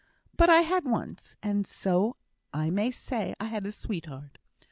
But I had once; and so I may say I had a sweetheart.